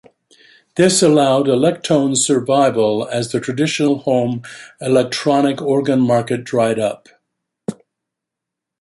This allowed Electone's survival as the traditional home electronic organ market dried up.